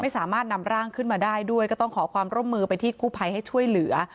สามารถนำร่างขึ้นมาได้ด้วยก็ต้องขอความร่วมมือไปที่กู้ภัยให้ช่วยเหลือ